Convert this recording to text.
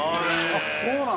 あっそうなん？